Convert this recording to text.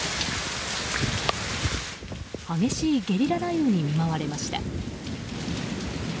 激しいゲリラ雷雨に見舞われました。